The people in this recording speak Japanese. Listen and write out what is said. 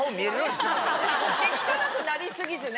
で汚くなりすぎずね